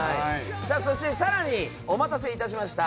そして更にお待たせ致しました。